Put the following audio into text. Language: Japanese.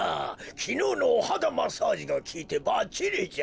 きのうのおはだマッサージがきいてばっちりじゃ。